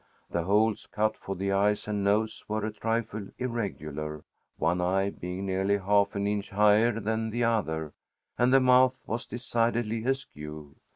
The holes cut for the eyes and nose were a trifle irregular, one eye being nearly half an inch higher than the other, and the mouth was decidedly askew.